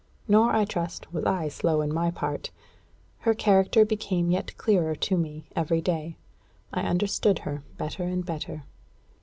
Nor, I trust, was I slow in my part. Her character became yet clearer to me, every day. I understood her better and better.